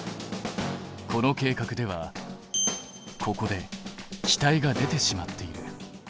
この計画ではここで気体が出てしまっている。